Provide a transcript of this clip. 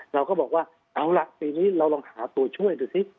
เราก็บอกว่าเอาล่ะปีนี้เราลองหาตัวช่วยดูสิ